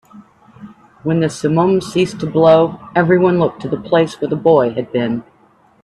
When the simum ceased to blow, everyone looked to the place where the boy had been.